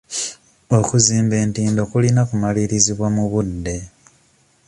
Okuzimba entindo kulina okumalirizibwa mu budde.